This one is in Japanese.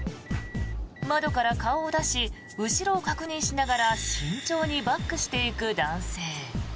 窓から顔を出し後ろを確認しながら慎重にバックしていく男性。